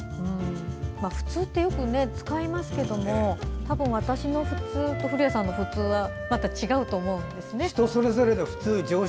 普通ってよく使いますけどたぶん私の普通と古谷さんの普通はまた違うと思うんですね。